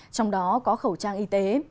trong đó có khẩu trang y tế